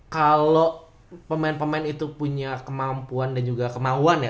kalau pemain pemain itu punya kemampuan dan juga kemauan ya